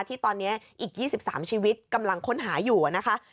ที่ตอนนี้อีก๒๓ชีวิตกำลังค้นหาอยู่นะคะ